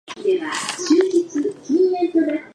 ペットボトルをきちんと分別して捨てられる人。